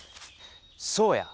そうや。